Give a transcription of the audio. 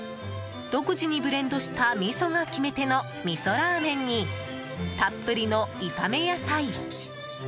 独自にブレンドしたみそが決め手の、みそラーメンにたっぷりの炒め野菜。